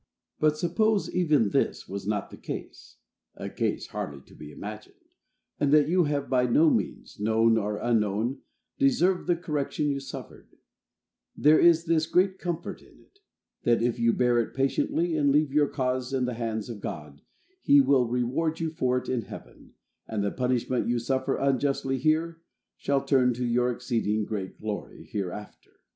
But, suppose even this was not the case (a case hardly to be imagined), and that you have by no means, known or unknown, deserved the correction you suffered; there is this great comfort in it, that, if you bear it patiently, and leave your cause in the hands of God, he will reward you for it in heaven, and the punishment you suffer unjustly here shall turn to your exceeding great glory hereafter.